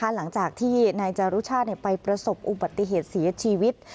หลังจากที่นายจารุชาติไปประสบอุบัติเหตุเสียชีวิต